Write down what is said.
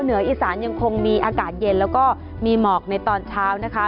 เหนืออีสานยังคงมีอากาศเย็นแล้วก็มีหมอกในตอนเช้านะคะ